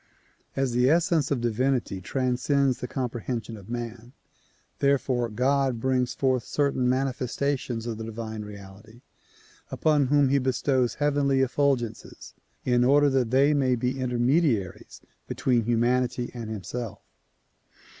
As the essence of divinity transcends the comprehension of man, therefore God brings forth certain manifestations of the divine reality upon whom he bestows heavenly effulgences in order that they may be intermediaries between humanity and himself.